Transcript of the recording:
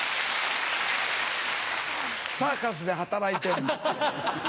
サーカスで働いてんの。